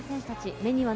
目には涙。